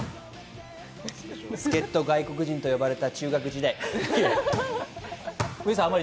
助っ人、外国人と呼ばれた中学時代。